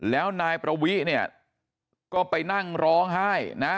แล้วนายประวิเนี่ยก็ไปนั่งร้องไห้นะ